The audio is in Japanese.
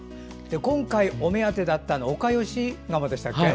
今回、お目当てだったのがオカヨシガモでしたっけ。